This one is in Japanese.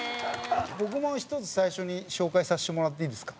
僕も１つ、最初に紹介させてもらっていいですか？